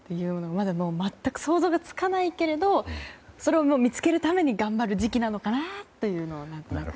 まだ全く想像がつかないけれどそれを見つけるために頑張る時期なのかなとは感じました。